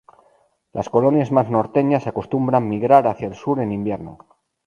Las colonias más norteñas acostumbran migrar hacia el sur en invierno.